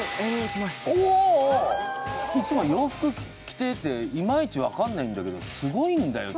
いつも洋服着ててイマイチ分かんないんだけどすごいんだよ